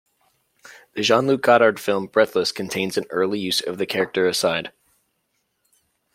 The Jean-Luc Godard film "Breathless" contains an early use of character aside.